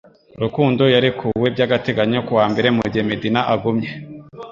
Rukundo yarekuwe by'agateganyo ku wa mbere mu gihe Medina agumye